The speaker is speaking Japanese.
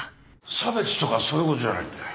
差別とかそういうことじゃないんだ